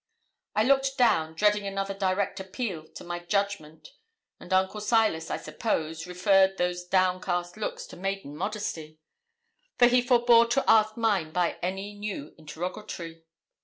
I looked down, dreading another direct appeal to my judgment; and Uncle Silas, I suppose, referred those downcast looks to maiden modesty, for he forbore to task mine by any new interrogatory.